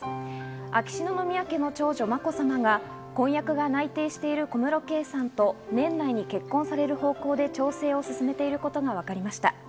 秋篠宮家の長女・まこさまが婚約が内定している小室圭さんと年内に結婚される方向で調整を進めていることがわかりました。